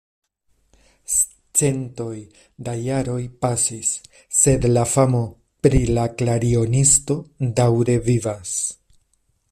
Centoj da jaroj pasis, sed la famo pri la klarionisto daŭre vivas.